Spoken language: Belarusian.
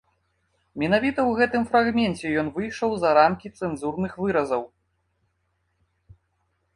Менавіта ў гэтым фрагменце ён выйшаў за рамкі цэнзурных выразаў.